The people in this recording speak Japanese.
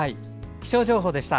気象情報でした。